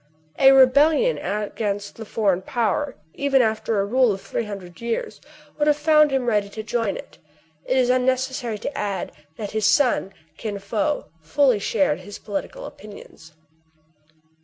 A rebellion against the foreign power, even after a rule of three hundred years, would have found him ready to join it. It is unnecessary to add that his son, Kin Fo, fully shared his political opinions.